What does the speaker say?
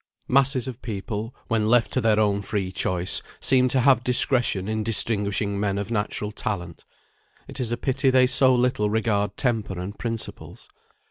Masses of people, when left to their own free choice, seem to have discretion in distinguishing men of natural talent; it is a pity they so little regard temper and principles.